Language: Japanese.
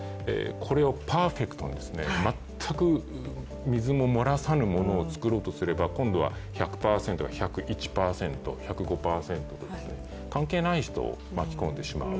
これをパーフェクトに全く水も漏らさぬものをつくろうとすれば今度は１００％が１０１％、１０５％、関係ない人を巻き込んでしまう。